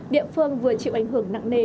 địa phương vừa chịu ảnh hưởng nặng nề